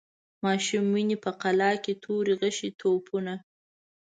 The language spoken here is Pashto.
ماشوم ویني په قلا کي توري، غشي، توپکونه